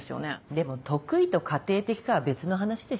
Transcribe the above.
でも得意と家庭的かは別の話でしょ？